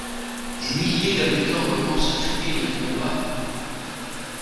Des milliers d'habitants commencent à fuir les combats.